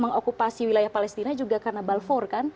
mengokupasi wilayah palestina juga karena balfour kan